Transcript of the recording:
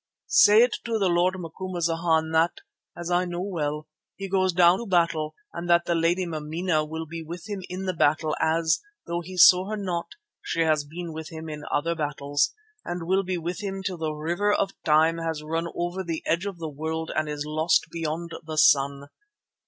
Say it to the Lord Macumazana that, as I know well, he goes down to battle and that the Lady Mameena will be with him in the battle as, though he saw her not, she has been with him in other battles, and will be with him till the River of Time has run over the edge of the world and is lost beyond the sun.